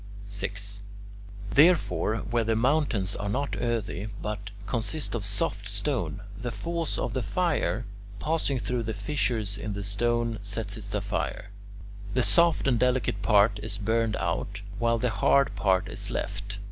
6. Therefore, where the mountains are not earthy but consist of soft stone, the force of the fire, passing through the fissures in the stone, sets it afire. The soft and delicate part is burned out, while the hard part is left.